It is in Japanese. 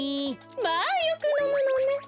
まあよくのむのね。